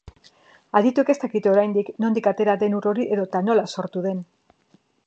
Adituek ez dakite oraindik nondik atera den ur hori edota nola sortu den.